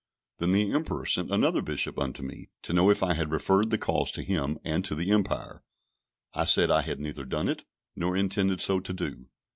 Then the Emperor sent another Bishop unto me, to know if I had referred the cause to him, and to the Empire. I said, I had neither done it, nor intended so to do.